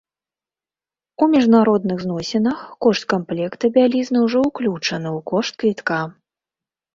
У міжнародных зносінах кошт камплекта бялізны ўжо ўключаны ў кошт квітка.